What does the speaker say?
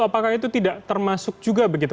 apakah itu tidak termasuk juga begitu